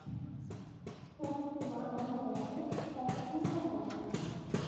সত্য তোমার অন্তরে আছে অক্ষুণ্ন হয়ে।